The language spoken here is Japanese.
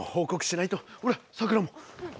ほらさくらも。うん。